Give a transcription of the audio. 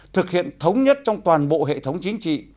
thực hiện thống nhất trong toàn bộ hệ thống chính trị